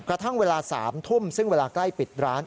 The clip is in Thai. กระทั่งเวลา๓ทุ่มซึ่งเวลาใกล้ปิดร้าน